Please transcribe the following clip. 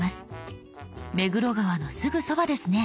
目黒川のすぐそばですね。